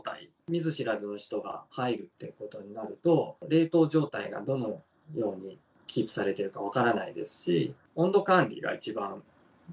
見ず知らずの人が入るということになると、冷凍状態がどのようにキープされているか分からないですし。